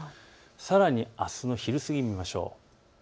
さらにあすの昼過ぎを見ましょう。